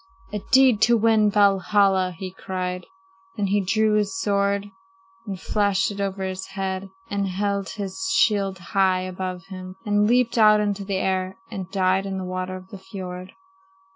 "'A deed to win Valhalla!' he cried. "Then he drew his sword and flashed it over his head and held his shield high above him, and leaped out into the air and died in the water of the fiord."